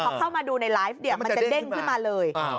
พอเข้ามาดูในไลฟ์เนี่ยมันจะเด้งขึ้นมาเลย